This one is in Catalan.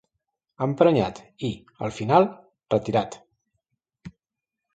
Emprenyat i, al final, retirat.